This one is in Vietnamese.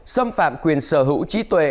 xâm phạm quyền sở hữu trí tuệ